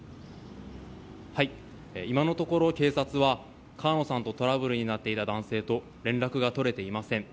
今のところ、警察は川野さんとトラブルになっていた男性と連絡が取れていません。